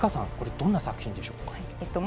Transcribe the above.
どんな作品でしょうか？